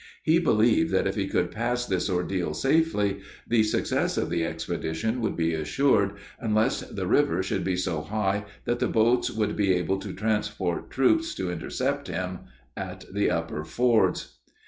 He believed that if he could pass this ordeal safely, the success of the expedition would be assured, unless the river should be so high that the boats would be able to transport troops to intercept him at the upper fords.